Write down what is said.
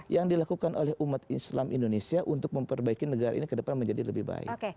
yang dilakukan oleh umat islam indonesia untuk memperbaiki negara ini ke depan menjadi lebih baik